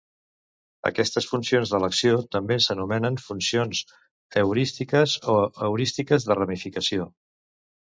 Aquestes funcions d'elecció també s'anomenen funcions heurístiques o heurístiques de ramificació.